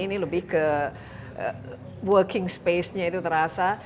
ini lebih ke working space nya itu terasa